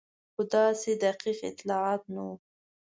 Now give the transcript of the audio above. خو داسې دقیق اطلاعات نه وو.